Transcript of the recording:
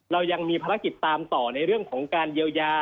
เรายังมีภารกิจตามต่อในเรื่องของการเยียวยา